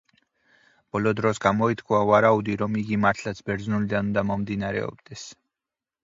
ბოლო დროს გამოითქვა ვარაუდი, რომ იგი მართლაც ბერძნულიდან უნდა მომდინარეობდეს.